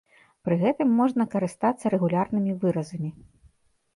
Пры гэтым можна карыстацца рэгулярнымі выразамі.